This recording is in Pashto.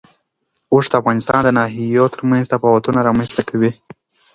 اوښ د افغانستان د ناحیو ترمنځ تفاوتونه رامنځ ته کوي.